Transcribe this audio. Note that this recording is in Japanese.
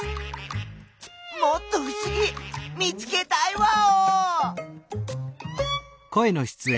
もっとふしぎ見つけたいワオ！